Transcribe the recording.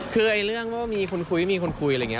คือเรื่องว่ามีคนคุยไม่มีคนคุยอะไรอย่างนี้